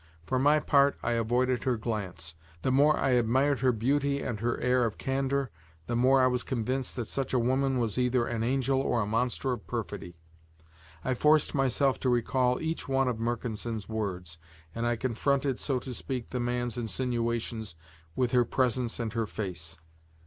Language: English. For my part, I avoided her glance; the more I admired her beauty and her air of candor, the more I was convinced that such a woman was either an angel or a monster of perfidy; I forced myself to recall each one of Mercanson's words, and I confronted, so to speak, the man's insinuations with her presence and her face.